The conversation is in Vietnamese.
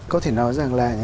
có thể nói rằng là